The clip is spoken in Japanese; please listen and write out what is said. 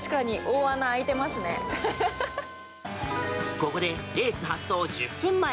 ここで、レース発走１０分前。